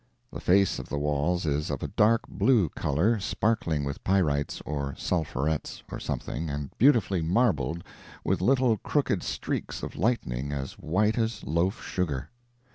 The face of the walls is of a dark blue color, sparkling with pyrites, or sulphurets, or something, and beautifully marbled with little crooked streaks of lightning as white as loaf sugar.